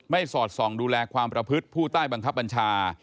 สอดส่องดูแลความประพฤติผู้ใต้บังคับบัญชา